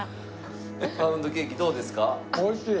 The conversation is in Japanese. パウンドケーキどうですか？